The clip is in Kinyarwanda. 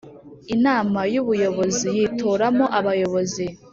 Inama y ubuyobozi yitoramo abayobozi